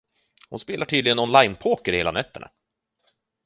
Hon spelar tydligen online-poker hela nätterna.